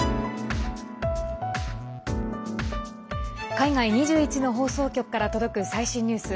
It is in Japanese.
海外２１の放送局から届く最新ニュース。